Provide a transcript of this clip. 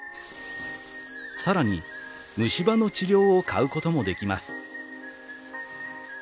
さらに虫歯の治療を買うこともできます」。